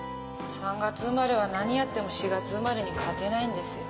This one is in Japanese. ３月生まれは何やっても４月生まれに勝てないんですよ。